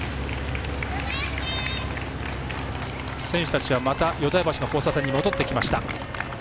選手たちは、淀屋橋の交差点に戻ってきました。